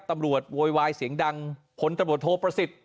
โวยวายเสียงดังพลตำรวจโทประสิทธิ์